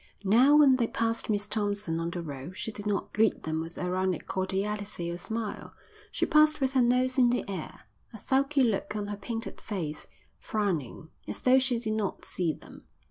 Now when they passed Miss Thompson on the road she did not greet them with ironic cordiality or smile; she passed with her nose in the air, a sulky look on her painted face, frowning, as though she did not see them.